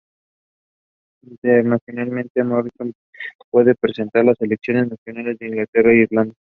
Internacionalmente, Morrison puede representar a las selecciones nacionales de Inglaterra y de Irlanda.